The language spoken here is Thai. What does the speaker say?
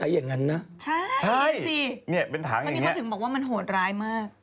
เมื่อนี้เขาถึงบอกว่ามันโหดร้ายมาก